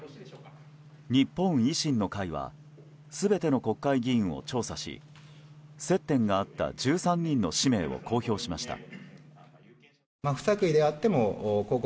日本維新の会は全ての国会議員を調査し接点があった１３人の氏名を公表しました。